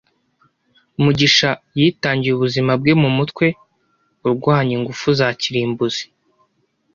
mugisha yitangiye ubuzima bwe mu mutwe urwanya ingufu za kirimbuzi